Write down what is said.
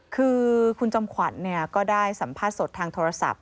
คือคุณจอมขวัญก็ได้สัมภาษณ์สดทางโทรศัพท์